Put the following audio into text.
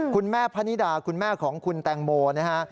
คุณแม่พนิดาคุณแม่ของคุณตางโมนะฮะ